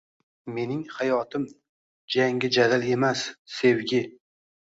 Mening hayotim jangi jadal emas, sevgi